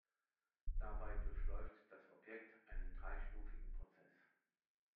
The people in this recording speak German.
Dabei „durchläuft“ das Objekt einen dreistufigen Prozess.